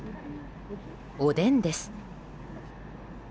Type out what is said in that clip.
おでんです。